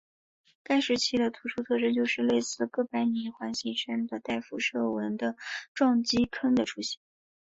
该时期的突出特征就是类似哥白尼环形山的带辐射纹的撞击坑的出现。